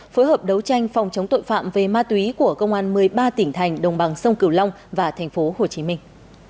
phối hợp đấu tranh phòng chống tội phạm về ma túy của công an một mươi ba tỉnh thành đồng bằng sông cửu long và thành phố hồ chí minh